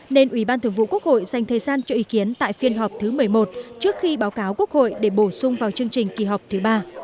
nên ubthq dành thời gian cho ý kiến tại phiên họp thứ một mươi một trước khi báo cáo quốc hội để bổ sung vào chương trình kỳ họp thứ ba